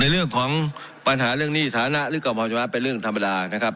ในเรื่องของปัญหาเรื่องนี้ฐานะฤทธิ์กรรมภาคมันเป็นเรื่องธรรมดานะครับ